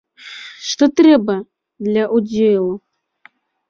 Што трэба для ўдзелу?